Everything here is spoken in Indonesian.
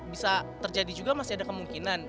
bisa terjadi juga masih ada kemungkinan